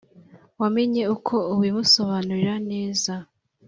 wamenya uko ubimusobanurira neza